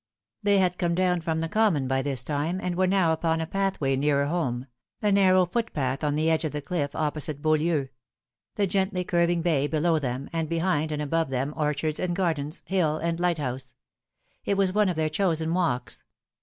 They had come down from the common by this time, and were now upon a pathway nearer home a narrow footpath on the edge of the cliff opposite Beaulieu ; the gently curving bay below them, and behind and above them orchards and gardens, hill and lighthouse. It was one of their chosen walks.